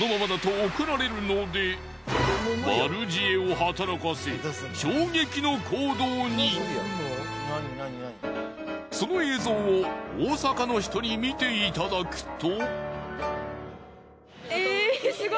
しかしその映像を大阪の人に見ていただくと。